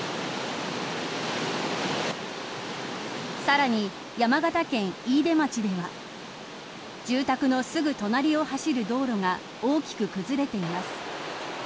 さらに、山形県飯豊町では住宅のすぐ隣を走る道路が大きく崩れています。